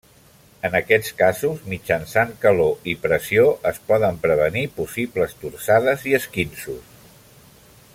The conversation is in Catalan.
En aquests casos, mitjançant calor i pressió es poden prevenir possibles torçades i esquinços.